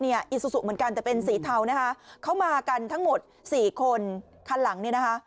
อิซูซูเหมือนกันแต่เป็นสีเทานะคะเข้ามากันทั้งหมดสี่คนคันหลังเนี่ยนะคะ